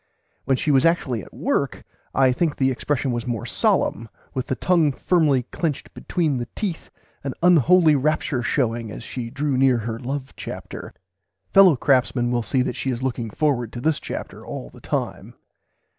When she was actually at work I think the expression [Pg vi] was more solemn, with the tongue firmly clenched between the teeth; an unholy rapture showing as she drew near her love chapter. Fellow craftsmen will see that she is looking forward to this chapter all the time.